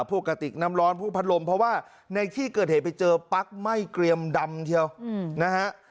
กระติกน้ำร้อนผู้พัดลมเพราะว่าในที่เกิดเหตุไปเจอปั๊กไหม้เกรียมดำเชียวนะฮะ